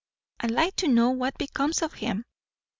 I'd like to know what becomes of him!